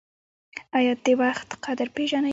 ایا د وخت قدر پیژنئ؟